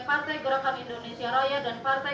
partai gerakan indonesia raya dan partai